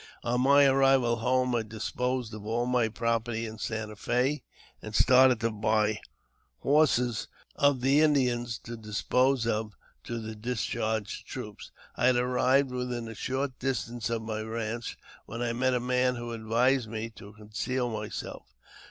On my arrival home I disposed of all my property in Santa Fe, and started to buy horses of the Indians to dispose of to the discharged troops. I had arrived within a short dis tance of my ranch, when I met a man who advised me to con ceal myself.